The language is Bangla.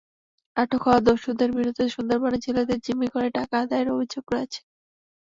আটক হওয়া দস্যুদের বিরুদ্ধে সুন্দরবনে জেলেদের জিম্মি করে টাকা আদায়ের অভিযোগ রয়েছে।